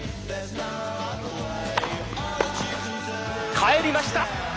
返りました！